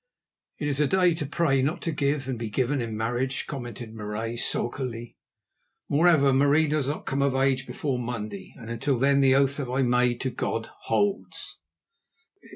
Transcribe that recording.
"It is a day to pray, not to give and be given in marriage," commented Marais sulkily. "Moreover, Marie does not come of age before Monday, and until then the oath that I made to God holds."